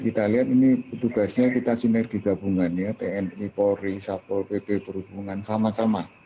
kita lihat ini petugasnya kita sinergi gabungan tni polri sapol pp berhubungan sama sama